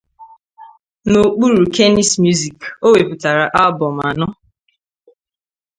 N'okpuru Kennis Music, o wepụtara abọm anọ.